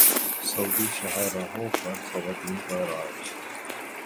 سعودی شاہراہوں پر خواتین کا راج